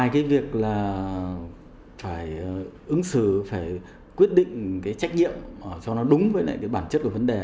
cái việc là phải ứng xử phải quyết định cái trách nhiệm cho nó đúng với cái bản chất của vấn đề